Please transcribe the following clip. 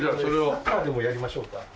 サッカーでもやりましょうか。